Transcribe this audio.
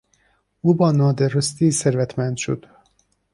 او با نادرستی ثروتمند شد.